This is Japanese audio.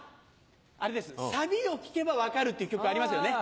あれですサビを聴けば分かるっていう曲ありますよね？